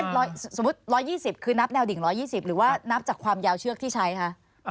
สมมุติ๑๒๐คือนับแนวดิ่ง๑๒๐หรือว่านับจากความยาวเชือกที่ใช้คะ